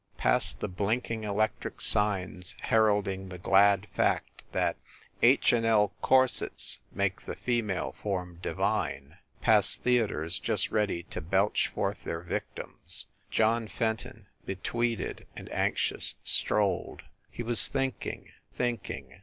Past the blinking electric signs heralding the glad fact that "H. & L. Corsets make the Female Form Divine," past theaters just ready to belch forth their victims, John Fenton, betweeded and anxious, strolled. He was thinking, thinking.